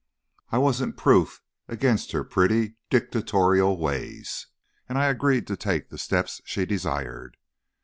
I wasn't proof against her pretty, dictatorial ways, and I agreed to take the steps she desired.